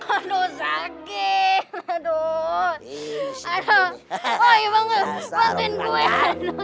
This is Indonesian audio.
aduh sakit aduh aduh